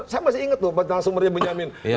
saya masih ingat loh pasal sumbernya benyamin